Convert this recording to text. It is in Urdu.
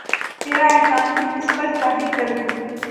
تیرا احسان ہے جس پر چاہے کردے